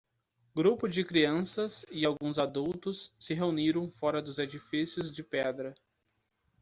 Grupo de crianças e alguns adultos se reuniram fora dos edifícios de pedra.